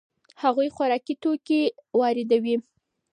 هغوی خوراکي توکي واردوي.